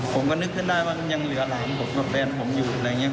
ผมก็นึกขึ้นได้ว่ายังเหลือหลานผมกับแฟนผมอยู่อะไรอย่างนี้